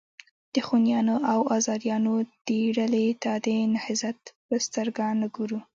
د خونیانو او آزاریانو دې ډلې ته د نهضت په سترګه نه ګورو.